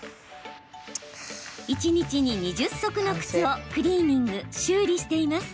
一日に２０足の靴をクリーニング修理しています。